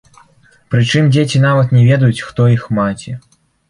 Прычым дзеці нават не ведаюць, хто іх маці.